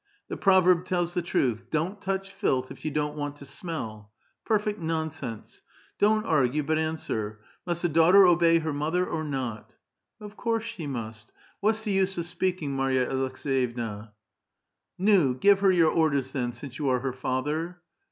The proverb tells the truth :' Don't touch filth if you don't want to smell.' Perfect nonsense ! Don't argue, but an swer ; must a daughter obey her mother or not ?"" Of course she must ; what's the use of speaking, Marva Aleks^yevna?" " Niv! give her your orders then, since you are her father."